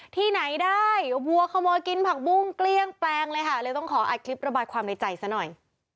ที่ไหนได้วัวขโมยกินผักบุ้งเกลี้ยงแปลงเลยค่ะเลยต้องขออัดคลิประบายความในใจซะหน่อย